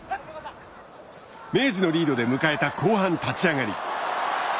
明治のリードで迎えた後半立ち上がり。